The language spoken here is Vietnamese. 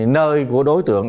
nơi của đối tượng